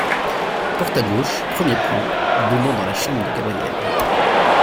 Porte à gauche, premier plan, donnant dans la chambre de Gabrielle.